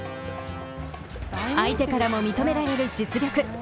相手からも認められる実力。